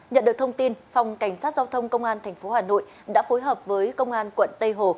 nhận được thông tin phòng cảnh sát giao thông công an tp hà nội đã phối hợp với công an quận tây hồ